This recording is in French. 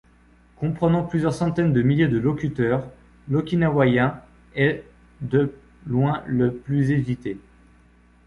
Comprenant plusieurs centaines de milliers de locuteurs, l'okinawaïen est de loin le plus usité.